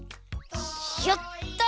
やった！